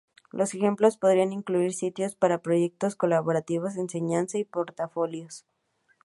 Los ejemplos podrían incluir sitios para proyectos colaborativos, enseñanza y portafolios.